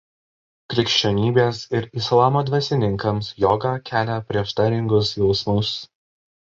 Krikščionybės ir Islamo dvasininkams joga kelia prieštaringus jausmus.